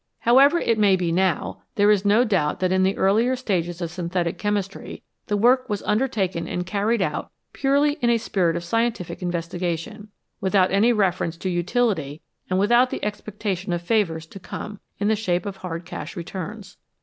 However it may be now, there is no doubt that in the earlier stages of synthetic chemistry, the work was under taken and carried out purely in a spirit of scientific in vestigation, without any reference to utility and without the expectation of favours to come, in the shape of hard cash returns.